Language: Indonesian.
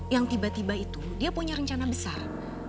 yang tiba tiba itu dia punya rencana besar